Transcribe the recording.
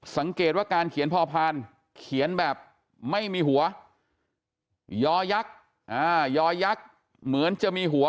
สังเกตว่าการเขียนพอพานเขียนแบบไม่มีหัวยอยักษ์ยอยักษ์เหมือนจะมีหัว